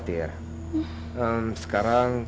tidak ada apa apa